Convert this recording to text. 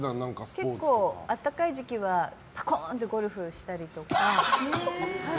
結構、暖かい時期はぱこーんとゴルフをしたりとか。